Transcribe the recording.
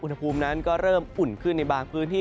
อุณหภูมินั้นก็เริ่มอุ่นขึ้นในบางพื้นที่